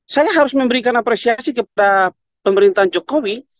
saya harus memberikan apresiasi kepada pemerintahan jokowi